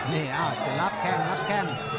นี่จะรับแข้งรับแข้ง